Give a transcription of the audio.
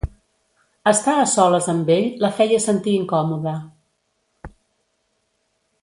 Estar a soles amb ell la feia sentir incòmoda.